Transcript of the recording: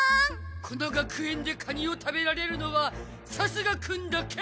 この学園でカニを食べられるのはサスガくんだけ！